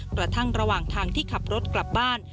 กระทั่งระหว่างทางที่ขับรถกลับบ้าน